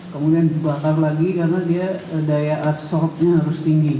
kemudian dibakar lagi karena dia daya absortnya harus tinggi